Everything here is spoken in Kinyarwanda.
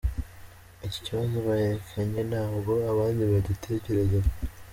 iki kibazo berekanye ntabwo abandi bagitekerezaga.